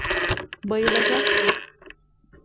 Bayılacaksın.